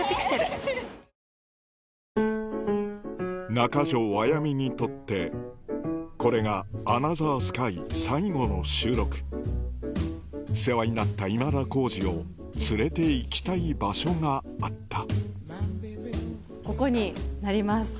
中条あやみにとってこれが『アナザースカイ』最後の収録世話になった今田耕司を連れて行きたい場所があったえっ！